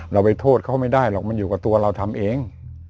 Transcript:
เราไปโทษเขาไม่ได้หรอกมันอยู่กับตัวเราทำเอง